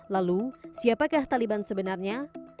lalu siapakah taliban sebenarnya